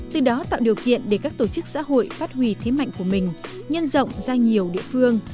từ đó tạo điều kiện để các tổ chức xã hội phát huy thế mạnh của mình nhân rộng ra nhiều địa phương